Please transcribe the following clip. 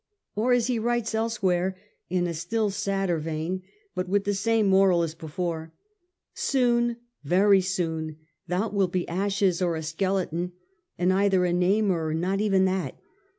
Or as he writes elsewhere, in a still sadder vein, but with the same moral as before :' Soon, very soon, thou wilt be ashes, or a skeleton, and either a name ^' V. 33. or not even that